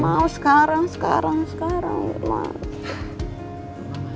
gak mau sekarang sekarang sekarang mas